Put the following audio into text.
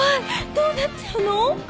どうなっちゃうの？